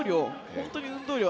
本当に運動量。